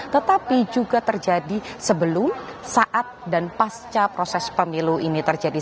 tetapi juga terjadi sebelum saat dan pasca proses pemilu ini terjadi